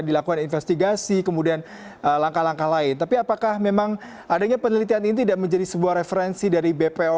dilakukan investigasi kemudian langkah langkah lain tapi apakah memang adanya penelitian ini tidak menjadi sebuah referensi yang terjadi di dalam perjalanan ini